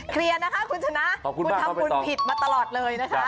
เคลียร์นะคะคุณชนะคุณทำคุณผิดมาตลอดเลยนะคะ